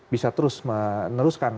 bisa terus meneruskan